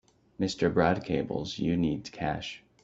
Mr. Brad cables you need cash.